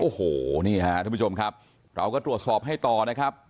โอ้โหนี่ฮะทุกผู้ชมครับเราก็ตรวจสอบให้ต่อนะครับ